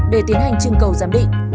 để tiến hành trưng cầu giám định